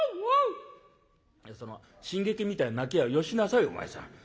「その新劇みたいな泣きはよしなさいお前さん。